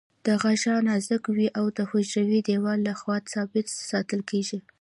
دا غشا نازکه وي او د حجروي دیوال له خوا ثابته ساتل کیږي.